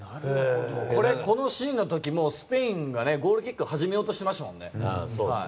これ、このシーンの時もうスペインがゴールキックを始めようとしてましたもんね。